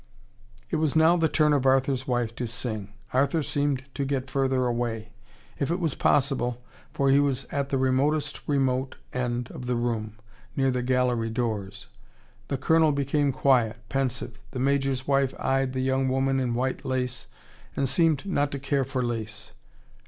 It was now the turn of Arthur's wife to sing. Arthur seemed to get further away: if it was possible, for he was at the remotest remote end of the room, near the gallery doors. The Colonel became quiet, pensive. The Major's wife eyed the young woman in white lace, and seemed not to care for lace.